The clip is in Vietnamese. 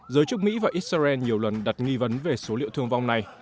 giới chức mỹ và israel nhiều lần đặt nghi vấn về số liệu thương vong này